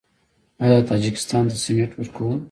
آیا تاجکستان ته سمنټ ورکوو؟